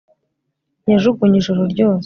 yajugunye ijoro ryose